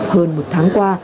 hơn một tháng qua